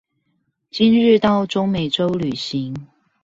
今日到中美州旅行